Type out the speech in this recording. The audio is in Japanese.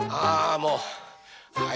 もうはい。